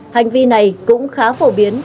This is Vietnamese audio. hành vi này cũng khá phổ biến